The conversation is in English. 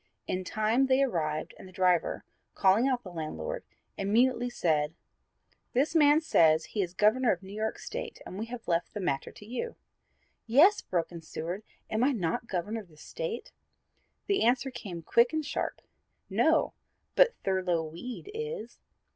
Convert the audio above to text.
In time they arrived and the driver, calling out the landlord, immediately said, "This man says he is Governor of New York State and we have left the matter to you." "Yes," broke in Seward, "am I not Governor of this State?" The answer came quick and sharp; "No, but Thurlow Weed is."